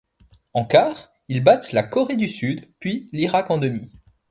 En quarts, ils battent la Corée du sud puis l'Irak en demi.